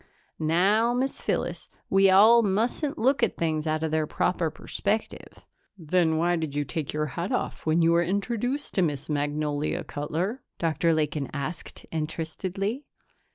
"Now, Miss Phyllis, we all mustn't look at things out of their proper perspective." "Then why did you take your hat off when you were introduced to Miss Magnolia, Cutler?" Dr. Lakin asked interestedly.